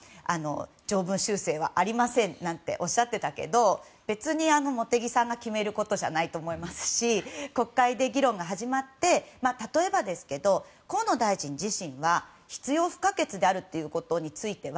条文修正はありませんなんておっしゃってたけど別に茂木さんが決めることじゃないと思いますし国会で議論が始まって例えばですけど河野大臣自身は必要不可欠であるということについては